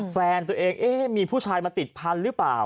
แฟนตัวเองเอ๊ะมีผู้ชายมาติดพันธุ์หรือเปล่า